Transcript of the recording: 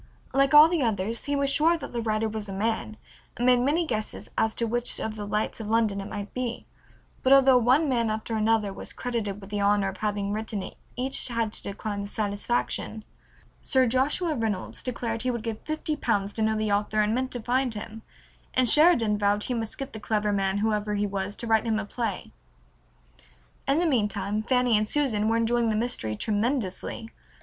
Like all the others he was sure that the writer was a man, and made many guesses as to which of the lights of London it might be, but although one man after another was credited with the honor of having written it each had to decline the satisfaction. Sir Joshua Reynolds declared he would give fifty pounds to know the author and meant to find him, and Sheridan vowed he must get the clever man, whoever he was, to write him a play. In the meantime Fanny and Susan were enjoying the mystery tremendously.